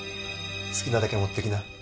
好きなだけ持ってきな。